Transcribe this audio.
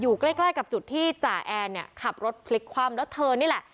ใกล้ใกล้กับจุดที่จ่าแอนเนี่ยขับรถพลิกคว่ำแล้วเธอนี่แหละ